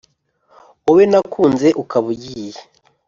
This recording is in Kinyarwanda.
wowe nakunze ukaba ugiye,